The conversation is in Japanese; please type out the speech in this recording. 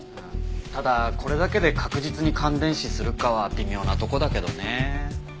ただこれだけで確実に感電死するかは微妙なとこだけどね。